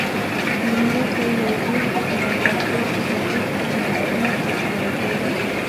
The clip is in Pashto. لومړی پر یوه بېلګه په لابراتوار کې دقیق ازمېښتونه ترسره کوي؟